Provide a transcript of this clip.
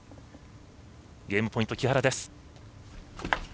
ゲームポイント、木原です。